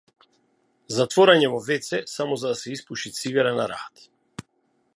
Затворање во вц само за да се испуши цигара на раат.